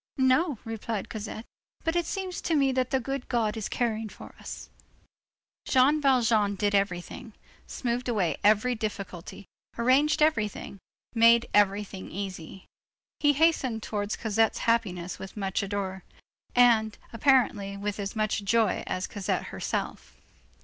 "No," replied Cosette, "but it seems to me that the good God is caring for us." Jean Valjean did everything, smoothed away every difficulty, arranged everything, made everything easy. He hastened towards Cosette's happiness with as much ardor, and, apparently with as much joy, as Cosette herself.